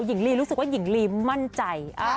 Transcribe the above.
หญิงลีรู้สึกว่าหญิงลีมั่นใจ